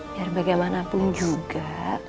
biar bagaimanapun juga